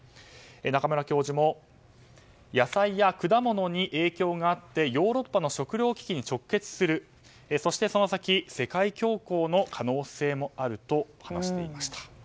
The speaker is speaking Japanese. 中村教授も野菜や果物に影響があってヨーロッパの食糧危機に直結するそして、その先世界恐慌の可能性もあると話していました。